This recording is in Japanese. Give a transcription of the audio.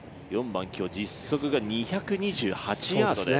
今日は実測が２２８ヤードです。